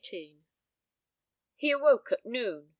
XVIII He awoke at noon.